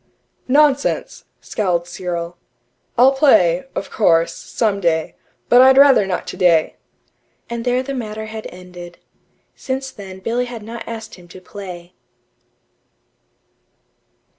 "Nonsense!" scowled Cyril. "I'll play, of course, some day. But I'd rather not today." And there the matter had ended. Since then Billy had not asked him to play.